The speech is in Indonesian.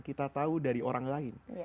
kita tahu dari orang lain